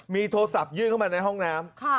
มีโทรศัพท์ยื่นเข้ามาในห้องน้ำ